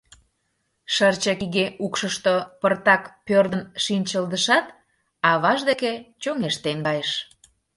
Шырчык иге укшышто пыртак пӧрдын шинчылдышат, аваж деке чоҥештен кайыш.